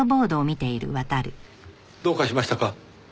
どうかしましたか？